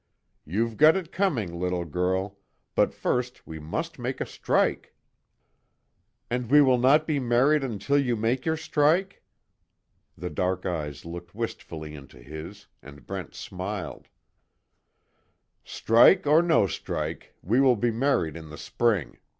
You've got it coming, little girl but first we must make a strike." "And, we will not be married until you make your strike?" The dark eyes looked wistfully into his, and Brent smiled: "Strike or no strike, we will be married in the spring!"